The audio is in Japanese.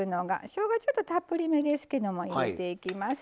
しょうがちょっとたっぷりめですけども入れていきます。